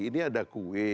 ini ada kue